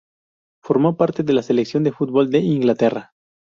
Formó parte de la Selección de fútbol de Inglaterra.